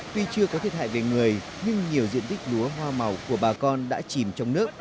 tuy chưa có thiệt hại về người nhưng nhiều diện tích lúa hoa màu của bà con đã chìm trong nước